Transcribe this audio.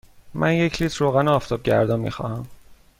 من یک لیتر روغن آفتابگردان می خواهم.